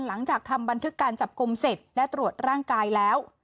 หลังจากทำบันทึกการจับกลุ่มเสร็จและตรวจร่างกายแล้ว